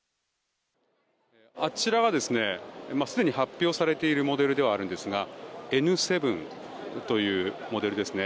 あちらはすでに発表されているモデルではあるんですがＮ７というモデルですね